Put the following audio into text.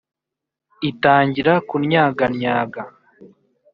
itangira kunnyagannyaga